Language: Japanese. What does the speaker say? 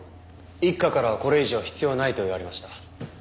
一課からはこれ以上は必要ないと言われました。